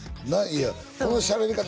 いやこのしゃべり方